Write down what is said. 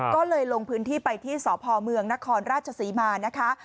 ก็เลยลงพื้นที่ไปที่สพเมืองนครราชศรีมานะคะ